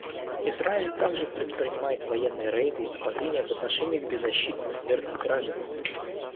Израиль также предпринимает военные рейды и нападения в отношении беззащитных мирных граждан.